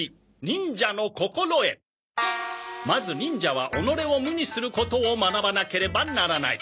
まず忍者は己を無にすることを学ばなければならない。